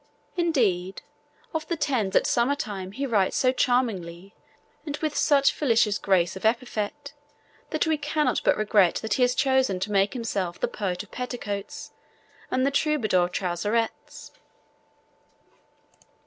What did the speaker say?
Indeed, of the Thames at summer time he writes so charmingly, and with such felicitous grace of epithet, that we cannot but regret that he has chosen to make himself the Poet of Petticoats and the Troubadour of Trouserettes.